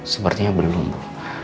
sepertinya belum bu